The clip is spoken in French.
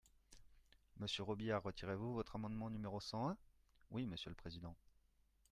Monsieur Robiliard, retirez-vous votre amendement numéro cent un ? Oui, monsieur le président.